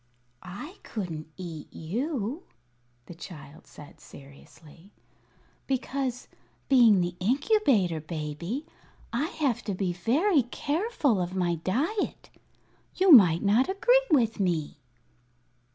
"I couldn't eat you," the child said, seriously, "because, being the Incubator Baby, I have to be very careful of my diet. You might not agree with me."